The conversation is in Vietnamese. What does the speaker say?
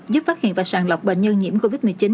giúp phát hiện và sàng lọc bệnh nhân nhiễm covid một mươi chín